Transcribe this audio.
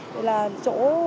đây là chỗ